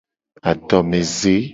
Adomeze.